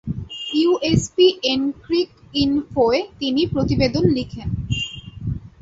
ইএসপিএনক্রিকইনফোয় তিনি প্রতিবেদন লিখেন।